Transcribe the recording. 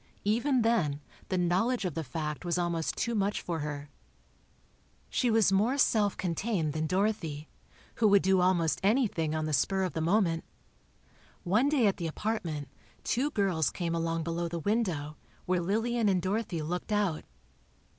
Even then, the knowledge of the fact was almost too much for her. She was more self contained than Dorothy, who would do almost anything on the spur of the moment. One day at the apartment, two girls came along below the window, where Lillian and Dorothy looked out.